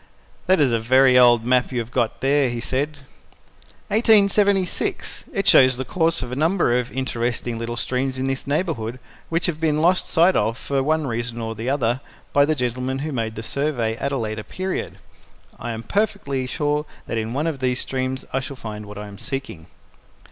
"That is a very old map you have got there," he said. "1876. It shows the course of a number of interesting little streams in this neighbourhood which have been lost sight of for one reason or the other by the gentleman who made the survey at a later period. I am perfectly sure that in one of these streams I shall find what I am seeking."